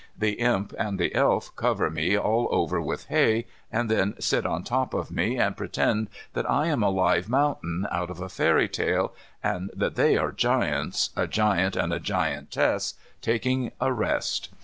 The Imp and the Elf cover me all over with hay, and then sit on top of me, and pretend that I am a live mountain out of a fairy tale, and that they are giants, a giant and a giantess taking a rest.